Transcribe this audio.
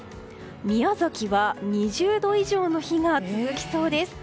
宮崎は２０度以上の日が続きそうです。